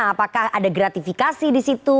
apakah ada gratifikasi di situ